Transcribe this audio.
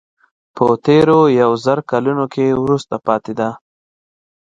په تېرو یو زر کلونو کې وروسته پاتې ده.